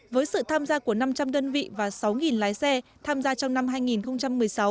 với sự tham gia của năm trăm linh đơn vị và sáu lái xe tham gia trong năm hai nghìn một mươi sáu